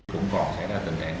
cũng còn sẽ ra tình hệ